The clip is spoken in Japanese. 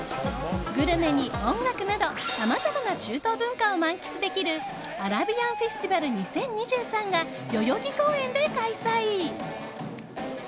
グルメに音楽などさまざまな中東文化を満喫できるアラビアンフェスティバル２０２３が代々木公園で開催。